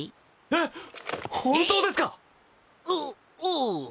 えっ本当ですか⁉おおう。